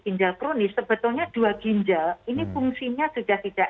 ginjal kronis sebetulnya dua ginjal